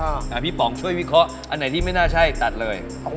พี่ป๋องช่วยวิเคราะห์อันไหนที่ไม่น่าใช่ตัดเลย